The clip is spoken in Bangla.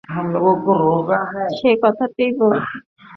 সেই কথাটাই বলছি।